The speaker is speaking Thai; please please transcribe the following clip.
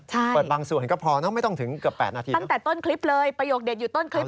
ตั้งแต่ประชุมกันทั้งสุดท้ายแล้วก็ไม่มีการประชุมมา